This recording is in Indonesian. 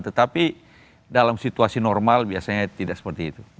tetapi dalam situasi normal biasanya tidak seperti itu